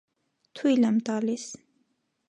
- Թույլ եմ տալիս: